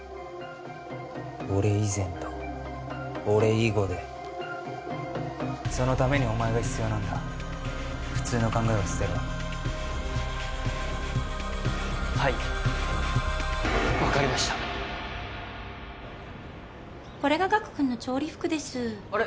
俺以前と俺以後でそのためにお前が必要なんだ普通の考えは捨てろはい分かりましたこれが岳くんの調理服ですあれ？